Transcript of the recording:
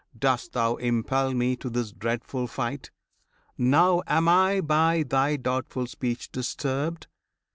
Dost thou impel me to this dreadful fight? Now am I by thy doubtful speech disturbed!